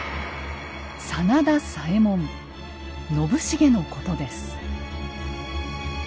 信繁のことです。